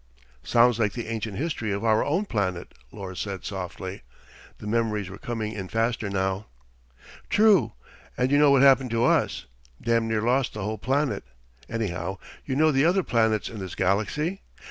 "Sounds like the ancient history of our own planet," Lors said softly. The memories were coming in faster now. "True. And you know what happened to us? Damned near lost the whole planet. Anyhow, you know the other planets in this galaxy?